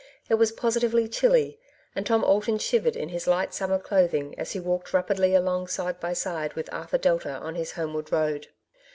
It was positively chilly, and Tom Alton shivered in his light summer clothing as he walked rapidly along side by side with Arthur Delta on his homeward road.